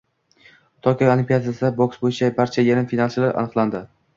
Tokio Olimpiadasida boks bo‘yicha barcha yarim finalchilar aniqlandi